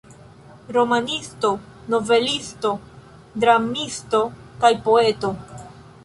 Romanisto, novelisto, dramisto kaj poeto.